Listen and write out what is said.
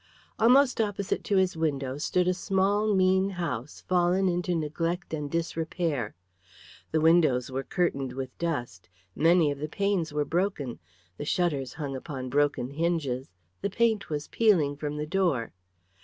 Almost opposite to his window stood a small mean house fallen into neglect and disrepair. The windows were curtained with dust, many of the panes were broken, the shutters hung upon broken hinges, the paint was peeling from the door.